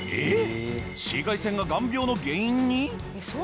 紫外線が眼病の原因に！？